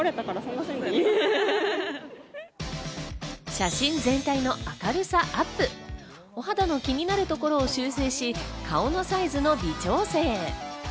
写真全体の明るさアップ、お肌の気になるところを修正し、顔のサイズの微調整。